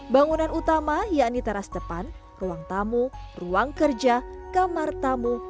bangunan utama yakni teras depan ruang tamu ruang kerja kamar tamu